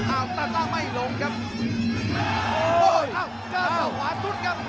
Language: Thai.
เอ้าตั้งไม่หลงครับ